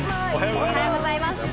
おはようございます。